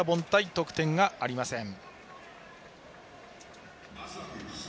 得点がありません。